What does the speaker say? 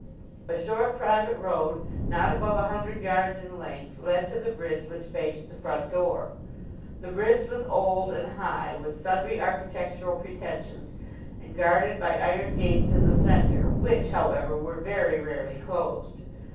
A short, private road, not above a hundred yards in length, led to the bridge which faced the front door. The bridge was old, and high, with sundry architectural pretensions, and guarded by iron gates in the centre, which, however, were very rarely closed.